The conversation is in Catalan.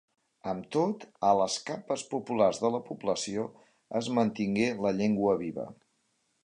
Amb tot, a les capes populars de la població es mantingué la llengua viva.